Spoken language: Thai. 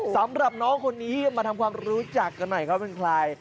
สำหรับน้องคนนี้มาทำความรู้จักกันหน่อยเขาเป็นใคร